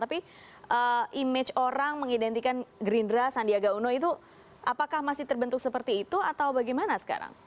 tapi image orang mengidentikan gerindra sandiaga uno itu apakah masih terbentuk seperti itu atau bagaimana sekarang